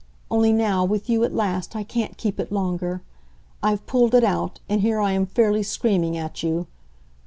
Only now, with you, at last, I can't keep it longer; I've pulled it out, and here I am fairly screaming at you.